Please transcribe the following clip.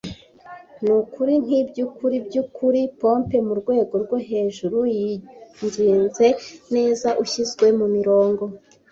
Nukuri nkibyukuri byukuri , pompe murwego rwo hejuru, yinginze neza , ushyizwe mumirongo,